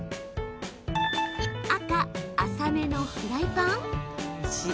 赤・浅めのフライパン？